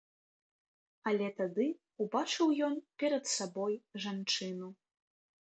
Але тады ўбачыў ён перад сабой жанчыну.